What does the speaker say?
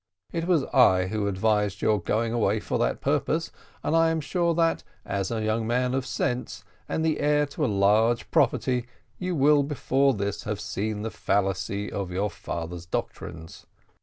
It was I who advised your going away for that purpose, and I am sure that, as a young man of sense and the heir to a large property, you will before this have seen the fallacy of your father's doctrines.